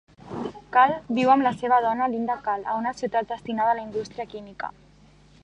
Kall viu amb la seva dona Linda Kall a una ciutat destinada a la indústria química.